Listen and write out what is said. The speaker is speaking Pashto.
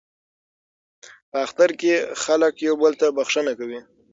په اختر کې خلک یو بل ته بخښنه کوي.